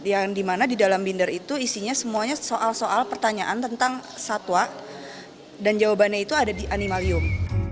yang dimana di dalam binder itu isinya semuanya soal soal pertanyaan tentang satwa dan jawabannya itu ada di animalium